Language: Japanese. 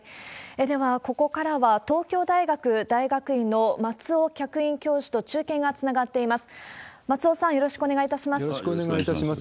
では、ここからは東京大学大学院の松尾客員教授と中継がつながっています。